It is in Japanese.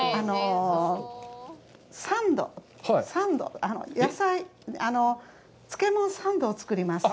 サンド、漬物サンドを作ります。